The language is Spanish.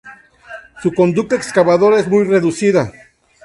Su conducta excavadora es muy reducida.